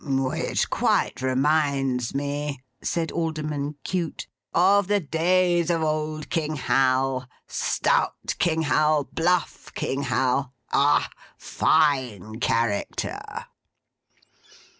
'Which quite reminds me,' said Alderman Cute, 'of the days of old King Hal, stout King Hal, bluff King Hal. Ah! Fine character!